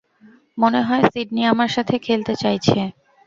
মনে হয় সিডনি আমার সাথে খেলতে চাইছে।